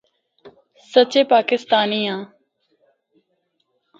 سچے پاکستانی آں۔